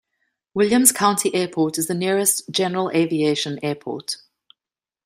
Williams County Airport is the nearest general aviation airport.